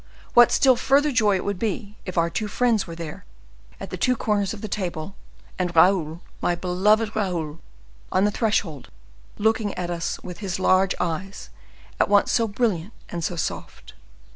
what still further joy it would be, if our two friends were there, at the two corners of the table, and Raoul, my beloved Raoul, on the threshold, looking at us with his large eyes, at once so brilliant and so soft!"